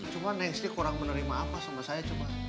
cuman nextnya kurang menerima apa sama saya cuman